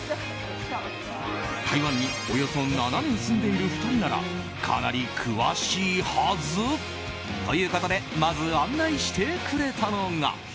台湾におよそ７年住んでいる２人ならかなり詳しいはず。ということでまず案内してくれたのが。